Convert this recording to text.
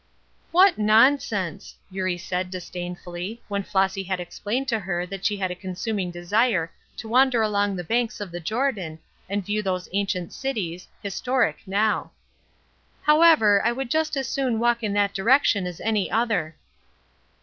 "What nonsense!" Eurie said, disdainfully, when Flossy had explained to her that she had a consuming desire to wander along the banks of the Jordan, and view those ancient cities, historic now. "However, I would just as soon walk in that direction as any other."